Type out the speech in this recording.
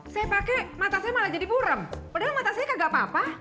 saya pakai mata saya malah jadi burem padahal mata saya kagak apa apa